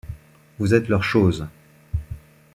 Vous êtes leur chose.